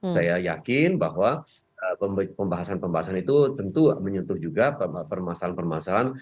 saya yakin bahwa pembahasan pembahasan itu tentu menyentuh juga permasalahan permasalahan